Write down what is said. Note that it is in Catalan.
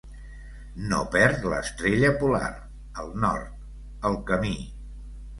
No perd l’estrella polar, el nord, el camí.